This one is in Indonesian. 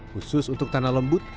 khusus untuk tanah lembut